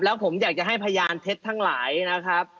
แล้วผมอยากจะให้พยานเท็จทั้งหลายนะครับ